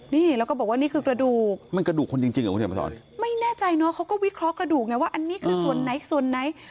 นี่แล้วก็บอกว่านี่คือกระดูกไม่แน่ใจเนอะเขาก็วิเคราะห์กระดูกไงว่าอันนี้คือส่วนไหนส่วนไหน